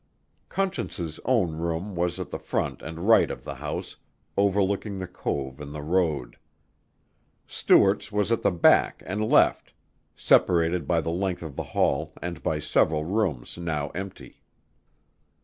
Conscience's own room was at the front and right of the house, overlooking the cove and the road. Stuart's was at the back and left, separated by the length of the hall and by several rooms now empty.